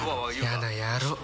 嫌な野郎